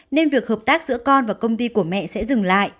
nên việc hợp tác giữa con và công ty của mẹ sẽ dừng lại